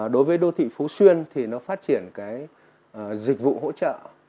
đối với đô thị phú xuyên thì nó phát triển cái dịch vụ hỗ trợ